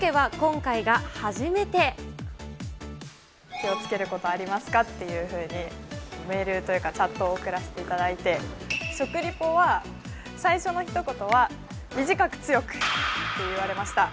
気をつけることありますかっていうふうに、メールというかチャットを送らせていただいて、食リポは最初のひと言は短く強くって言われました。